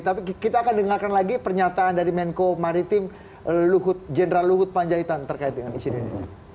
tapi kita akan dengarkan lagi pernyataan dari menko maritim jenderal luhut panjaitan terkait dengan insiden ini